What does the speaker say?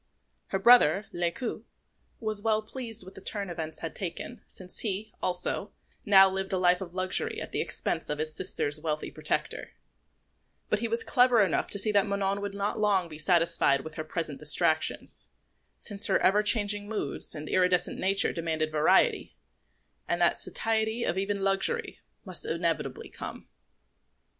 Her brother, Lescaut, was well pleased with the turn events had taken, since he, also, now lived a life of luxury at the expense of his sister's wealthy protector; but he was clever enough to see that Manon would not long be satisfied with her present distractions, since her ever changing moods and iridescent nature demanded variety, and that satiety of even luxury must inevitably come.